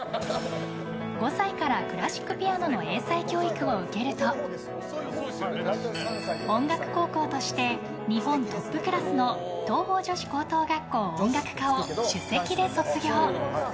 ５歳からクラシックピアノの英才教育を受けると音楽高校として日本トップクラスの桐朋女子高等学校音楽科を首席で卒業！